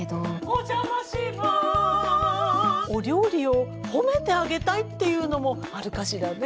お邪魔しますお料理を褒めてあげたいっていうのもあるかしらね。